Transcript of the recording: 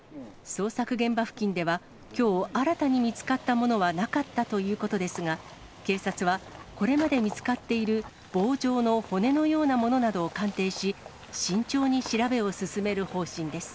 捜索現場付近では、きょう、新たに見つかったものはなかったということですが、警察は、これまで見つかっている棒状の骨のようなものなどを鑑定し、慎重に調べを進める方針です。